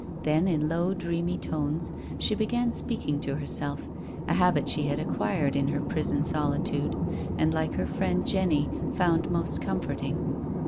Then in low dreamy tones she began speaking to herself— a habit she had acquired in her prison soli tude, and like her friend Jenny, found most comforting.